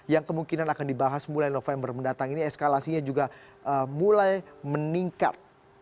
yang kemungkinan akan dibahas mulai november mendatang ini eskalasinya juga mulai meningkat